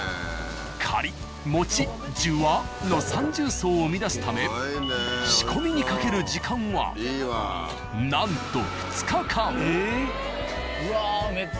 カリッモチッジュワッの三重奏を生み出すため仕込みにかける時間はなんとええっ。